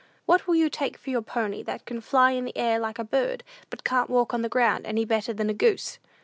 What will you take for your pony, that can fly in the air like a bird, but can't walk on the ground any better than a goose?"